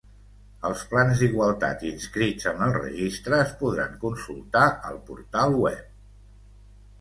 Els plans d'igualtat inscrits en el Registre es podran consultar al portal web.